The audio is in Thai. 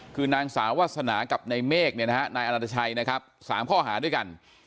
คือนางสาวัษนากับนายเมฆนายอาณาจัยนะครับสามข้อหาด้วยกัน